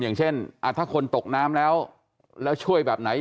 อย่างเช่นถ้าคนตกน้ำแล้ว